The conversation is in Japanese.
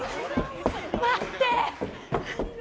待って！